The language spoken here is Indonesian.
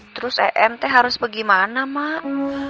terus emt harus bagaimana mak